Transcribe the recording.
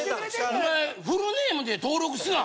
おまえ、フルネームで登録すな。